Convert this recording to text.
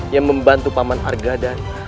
yang membantu paman argadana